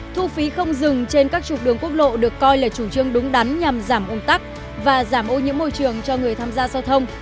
thu phí không dừng trên các trục đường quốc lộ được coi là chủ trương đúng đắn nhằm giảm ung tắc và giảm ô nhiễm môi trường cho người tham gia giao thông